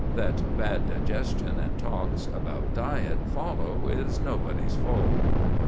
That bad digestion and talks about diet follow is nobody's fault.